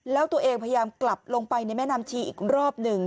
แล้วตัวเองพยายามกลับลงไปในแม่น้ำชีอีกรอบหนึ่ง